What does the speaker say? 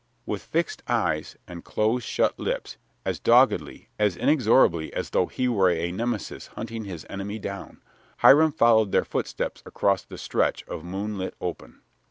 With fixed eyes and close shut lips, as doggedly, as inexorably as though he were a Nemesis hunting his enemy down, Hiram followed their footsteps across the stretch of moonlit open.